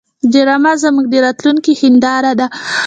ډرامه زموږ د راتلونکي هنداره ده